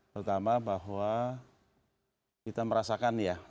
pertama bahwa kita merasakan ya